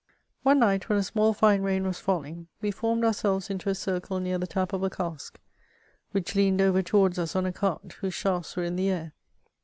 One night, when a small fine rain was falling, we formed ourselves into a circle near the tap of a cask, which leaned over towards us on a cart, whose shafts were in the air.